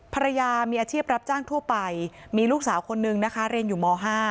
ภรรยามีอาชีพรับจ้างทั่วไปมีลูกสาวคนนึงนะคะเรียนอยู่ม๕